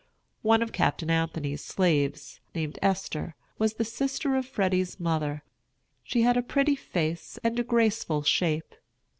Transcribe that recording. One of Captain Anthony's slaves, named Esther, was the sister of Freddy's mother. She had a pretty face and a graceful shape.